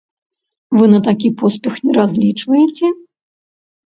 Вы на такі поспех не разлічваеце?